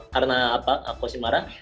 karena coach shin marah